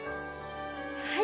はい！